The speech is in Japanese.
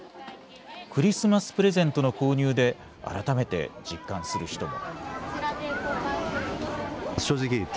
クリスマスプレゼントの購入で、改めて実感する人も。